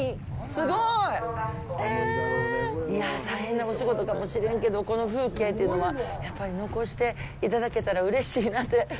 大変なお仕事かもしれんけどこの風景というのは、やっぱり残していただけたらうれしいなって。